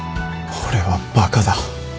俺はバカだ